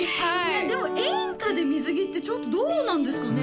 でも演歌で水着ってちょっとどうなんですかね？